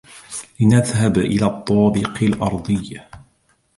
لنذهب إلى الطابق الأرضي.